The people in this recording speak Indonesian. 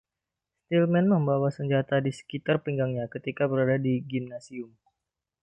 Stillman membawa senjata di sekitar pinggangnya ketika berada di gimnasium.